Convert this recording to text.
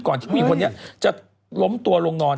ที่ผู้หญิงคนนี้จะล้มตัวลงนอน